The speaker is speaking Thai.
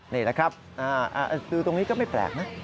นี่นะครับดูตรงนี้ก็ไม่แปลกนะ